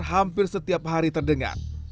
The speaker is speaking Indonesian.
hampir setiap hari terdengar